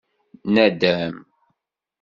Nadem.